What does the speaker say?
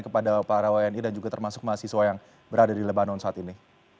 kepada para wni dan juga termasuk mahasiswa yang berada di lebanon saat ini